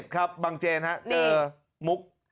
๐๙๒๔๑๒๗๗๙๗ครับบางเจนครับมุก